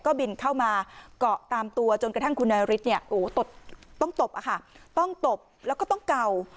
ก็บินเข้ามาเกาะตามตัวจนกระทั่งคุณนายฤทธิ์เนี่ยโอ้โหต้องตบต้องตบแล้วก็ต้องเก่า